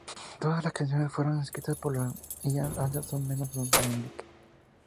Todas las canciones fueron escritas por Ian Anderson, menos donde se indique.